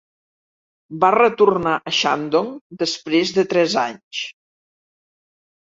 Va retornar a Shandong després de tres anys.